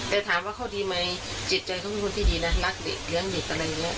แต่ถามว่าเขาดีไหมจิตใจเขาเป็นคนที่ดีนะรักเด็กเลี้ยงเด็กอะไรอย่างนี้